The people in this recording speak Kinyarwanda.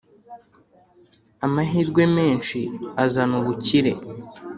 amahirwe menshi azana ubukire